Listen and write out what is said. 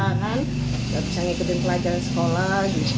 nggak bisa ngikutin pelajaran sekolah